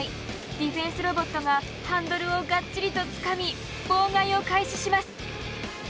ディフェンスロボットがハンドルをがっちりとつかみ妨害を開始します。